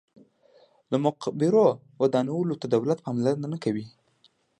د مقبرو ودانولو ته دولت پاملرنه نه کوي.